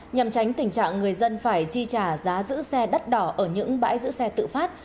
nhằm tránh tình trạng người dân phải chi trả giá giữ xe đắt đỏ ở những bãi giữ xe tự phát